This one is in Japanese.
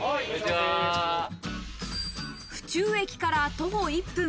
府中駅から徒歩１分。